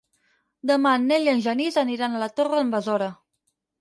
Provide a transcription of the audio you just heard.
Demà en Nel i en Genís aniran a la Torre d'en Besora.